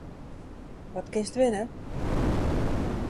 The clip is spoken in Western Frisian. Wat kinst winne?